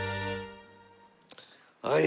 はい。